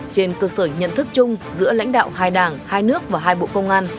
trên cơ sở nhận thức chung giữa lãnh đạo hai đảng hai nước và hai bộ công an